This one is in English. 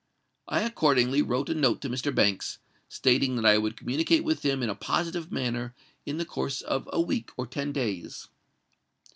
I accordingly wrote a note to Mr. Banks, stating that I would communicate with him in a positive manner in the course of a week or ten days."